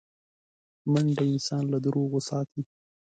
منډه انسان له دروغو ساتي